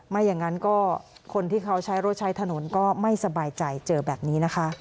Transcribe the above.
ไม่อย่างนั้นก็คนที่เขาใช้รถใช้ถนนก็ไม่สบายใจเจอแบบนี้นะคะ